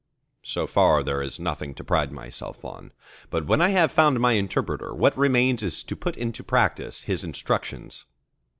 So far there is nothing to pride myself on. But when I have found my interpreter, what remains is to put in practice his instructions.